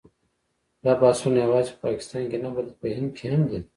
دا بحثونه یوازې په پاکستان کې نه بلکې په هند کې هم دي.